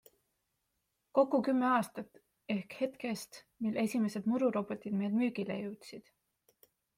Kokku kümme aastat ehk hetkest, mil esimesed mururobotid meil müügile jõudsid.